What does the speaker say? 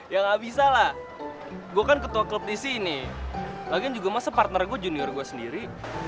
ya gak bisa lah gue kan ketua klub di sini lagi juga masa partner gue junior gue sendiri